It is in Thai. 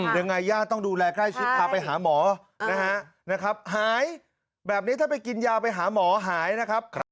ยังไงญาติต้องดูแลใกล้ชิดพาไปหาหมอนะฮะหายแบบนี้ถ้าไปกินยาไปหาหมอหายนะครับ